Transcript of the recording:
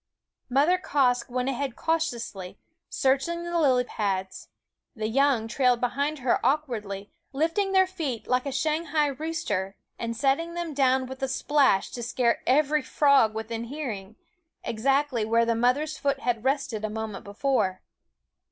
Mother Quoskh went ahead cautiously, searching the lily pads ; the young trailed behind her awkwardly, lifting their feet like a Shanghai rooster and setting them down with a splash to scare every frog within hearing, exactly where the mother's foot had rested a moment before.